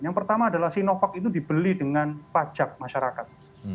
yang pertama adalah sinovac itu dibeli dengan pajak masyarakat